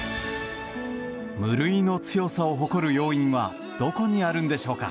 無類の強さを誇る要因はどこにあるのでしょうか。